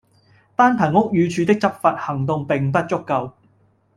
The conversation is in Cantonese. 單憑屋宇署的執法行動並不足夠